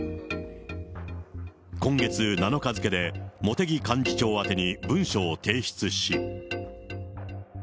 今月７日付で茂木幹事長宛てに文書を提出し。